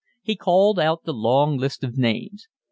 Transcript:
He called out the long list of names.